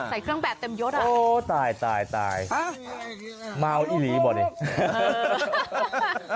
ใส่เครื่องแปะเต็มยดอะโอ้จริงนอก